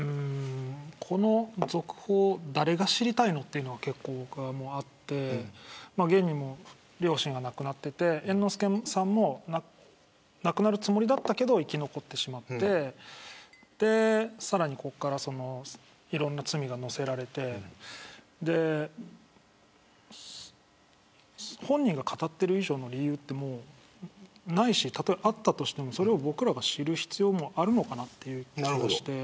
この続報、誰が知りたいのというのがあって現に両親が亡くなってて猿之助さんも亡くなるつもりだったけど生き残ってしまってそこからいろんな罪が乗せられて本人が語っている以上の理由はないしたとえ、あったとしても僕らが知る必要もあるのかなと。